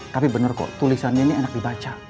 tapi benar kok tulisannya ini enak dibaca